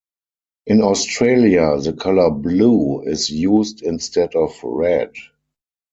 In Australia, the color blue is used instead of red.